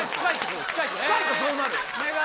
近いとこうなるの。